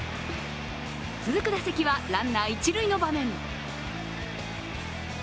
続く打席はランナー一塁の場面。